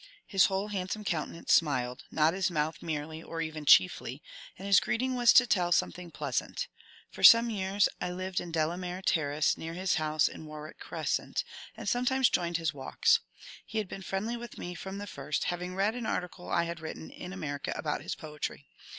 His whole handsome countenance smiled, not his mouth merely or even chiefly, and his greeting was to tell something pleasant. For some years I lived in Delamere Terrace near his house in Warwick Crescent, and sometimes joined his walks. He had been friendly with me from the first, having read an article I had written in America about his poetry.